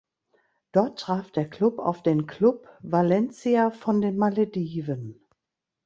Dort traf der Klub auf den Club Valencia von den Malediven.